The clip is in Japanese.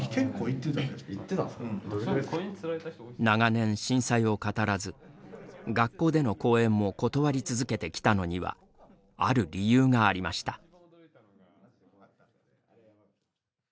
長年、震災を語らず学校での講演も断り続けてきたのにはある理由がありました。